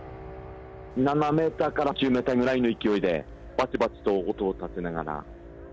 ７メートルから１０メートルくらいの勢いで、ばちばちと音を立てながら。